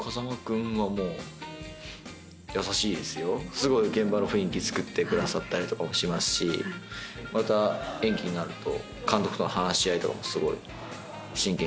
すごい現場の雰囲気つくってくださったりしますし演技になると。